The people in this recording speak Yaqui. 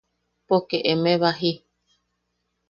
Poke eme baji.